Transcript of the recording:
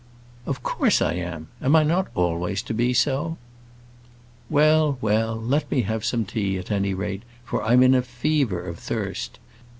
"Of course I am. Am I not always to be so?" "Well, well; let me have some tea, at any rate, for I'm in a fever of thirst.